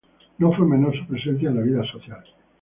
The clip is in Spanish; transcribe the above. No fue menor su presencia en la vida social.